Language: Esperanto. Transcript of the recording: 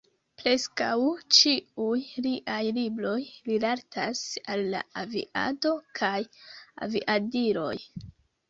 Preskaŭ ĉiuj liaj libroj rilatas al aviado kaj aviadiloj.